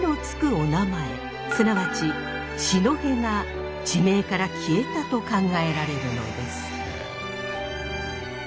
お名前すなわち「四戸」が地名から消えたと考えられるのです。